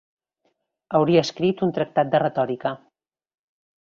Hauria escrit un tractat de retòrica.